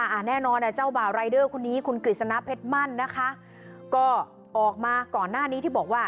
อ่าแน่นอนอ่ะเจ้าบ่าวรายเดอร์คนนี้คุณกฤษณะเพชรมั่นนะคะก็ออกมาก่อนหน้านี้ที่บอกว่า